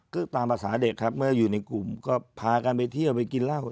ก็ตามภาษาเด็กครับเมื่ออยู่ในกลุ่มก็พากันไปเที่ยวไปกินเหล้า